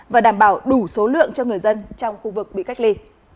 và đảm bảo đủ số lượng cho người dân trong khu vực bị cách ly